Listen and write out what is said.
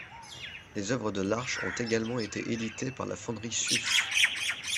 Les œuvres de Larche ont également été éditées par la fonderie Susse.